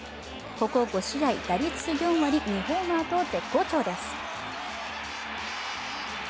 ここ５試合、打率４割、２ホーマーと絶好調です。